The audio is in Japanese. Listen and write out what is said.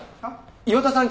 岩田さん